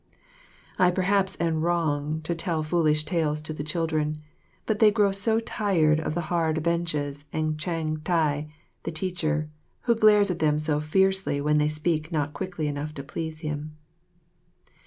I perhaps am wrong to tell the foolish tales to the children, but they grow so tired of the hard benches and Chang tai, the teacher, who glares at them so fiercely when they speak not quickly enough to please him.